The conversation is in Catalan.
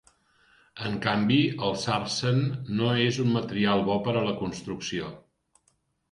En canvi, el sarsen no és un material bo per a la construcció.